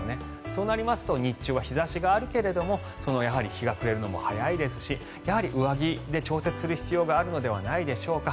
そうなりますと日中は日差しがあるけれども日が暮れるのも早いですし上着で調整する必要があるのではないでしょうか。